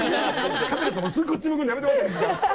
カメラさんもすぐこっち向くのやめてもらっていいですか？